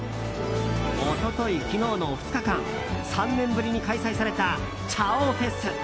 一昨日、昨日の２日間３年ぶりに開催された「ちゃおフェス」。